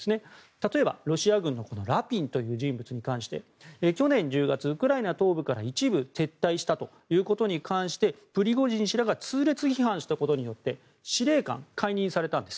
例えば、ロシア軍のラピンという人物に関して去年１０月、ウクライナ東部から一部撤退したことに関してプリゴジン氏らが痛烈批判したことによって司令官を解任されたんです。